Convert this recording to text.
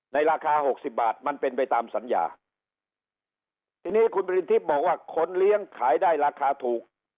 ราคาหกสิบบาทมันเป็นไปตามสัญญาทีนี้คุณปริณทิพย์บอกว่าคนเลี้ยงขายได้ราคาถูก